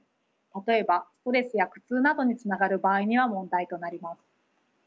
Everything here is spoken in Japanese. たとえばストレスや苦痛などにつながる場合には問題となります。